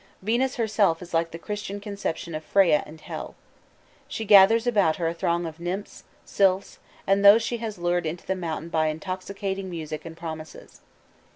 Venus herself is like the Christian conception of Freya and Hel. She gathers about her a throng of nymphs, sylphs, and those she has lured into the mountain by intoxicating music and promises.